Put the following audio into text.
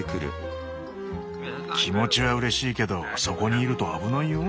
気持ちはうれしいけどそこにいると危ないよ。